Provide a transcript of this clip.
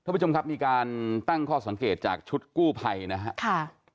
ผู้ชมครับมีการตั้งข้อสังเกตจากชุดกู้ภัยนะครับ